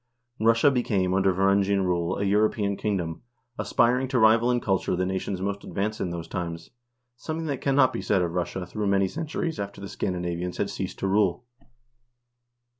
Russia became under Va rangian rule a European kingdom, aspiring to rival in culture the nations most advanced in those times, something that cannot be said of Russia through many centuries after the Scandinavians had ceased to rule.